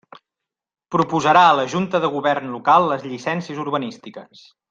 Proposarà a la Junta de Govern Local les llicències urbanístiques.